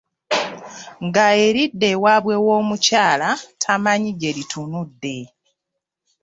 Ng’eridda ewaabwe w’omukyala tamanyi gye litunudde !